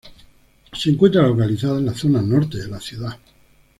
Se encuentra localizada en la zona norte de la ciudad.